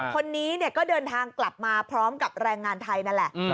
คนนี้ก็เดินทางกลับมาพร้อมกับแรงงานไทยนั่นแหละ